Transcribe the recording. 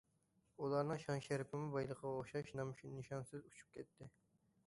ئۇلارنىڭ شان- شەرىپىمۇ بايلىقىغا ئوخشاش نام- نىشانسىز ئۇچۇپ كەتتى.